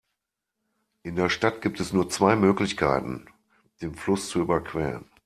In der Stadt gibt es nur zwei Möglichkeiten, den Fluss zu überqueren.